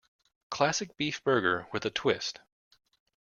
Classic beef burger, with a twist.